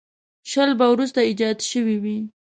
شل به وروسته ایجاد شوي وي.